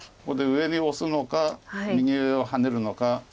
ここで上にオスのか右上をハネるのか。